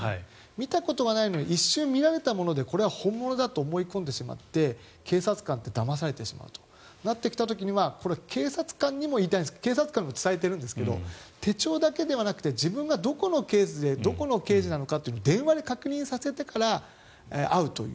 見たことがないのに一瞬見たものでこれは本物だと思い込んでしまって警察官ってだまされてしまうとなった時には警察官にも伝えているんですが手帳だけではなくて自分がどこの刑事なのかというのを電話で確認させてから会うという。